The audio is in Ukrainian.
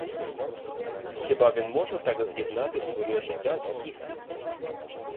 Хіба він може так з'єднати своє життя з їхнім?